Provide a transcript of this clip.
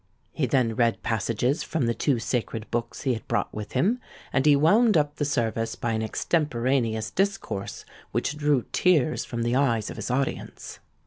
He then read passages from the two sacred books he had brought with him; and he wound up the service by an extemporaneous discourse, which drew tears from the eyes of his audience.